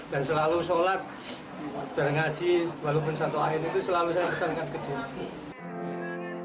dan selalu sholat berngaji walaupun satu akhir itu selalu saya pesan ke dia